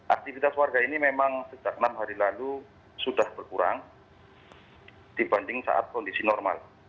aktivitas warga ini memang sejak enam hari lalu sudah berkurang dibanding saat kondisi normal